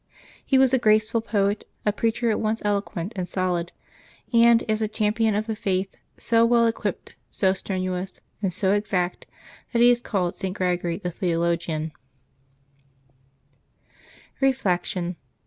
He was a graceful poet, a preacher at once eloquent and solid ; and as a champion of the Faith so well equipped, so strenuous, and so exact, that he is called St. Gregory the Theologian. May 10] LIVES OF TEE SAINTS 175 Reflection.